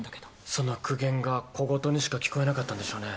その苦言が小言にしか聞こえなかったんでしょうね。